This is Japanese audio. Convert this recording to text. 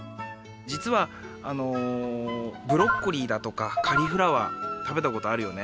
じつはブロッコリーだとかカリフラワー食べたことあるよね？